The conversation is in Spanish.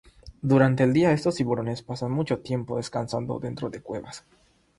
Durante el día, estos tiburones pasan mucho tiempo descansando dentro de cuevas.